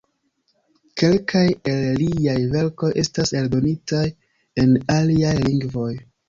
Kelkaj el liaj verkoj estas eldonitaj en aliaj lingvoj.